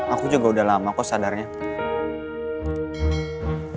aku juga udah lama kok sadarnya